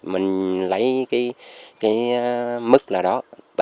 mình lấy cái mức là đó